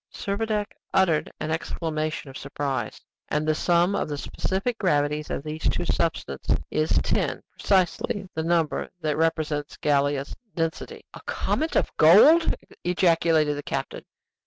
Servadac uttered an exclamation of surprise. "And the sum of the specific gravities of these two substances is 10, precisely the number that represents Gallia's density." "A comet of gold!" ejaculated the captain.